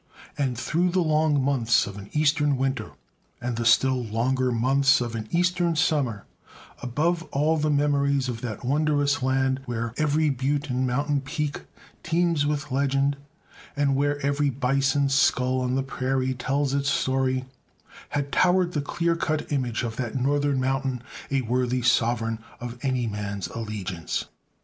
And through the long months of an Eastern winter, and the still longer months of an Eastern summer, above all the memories of that wondrous land where every butte and mountain peak teems with legend, and where every bison skull on the prairie tells its story, had towered the clear cut image of that Northern mountain, a worthy sovereign of any man's allegiance.